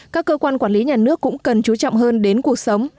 các cơ quan quản lý nhà nước cũng cần chú trọng hơn đến cuộc sống